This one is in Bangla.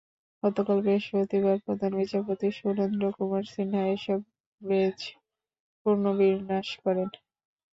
গতকাল বৃহস্পতিবার প্রধান বিচারপতি সুরেন্দ্র কুমার সিনহা এসব বেঞ্চ পুনর্বিন্যাস করেন।